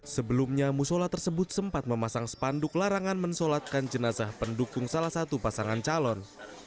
sebelumnya musola tersebut sempat memasang spanduk larangan mensolatkan jenazah pendukung salah satu pasangan calon